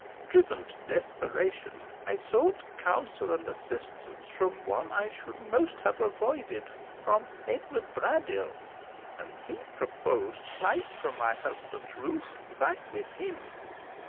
Driven to desperation, I sought counsel and assistance from one I should most have avoided from Edward Braddyll and he proposed flight from my husband's roof flight with him."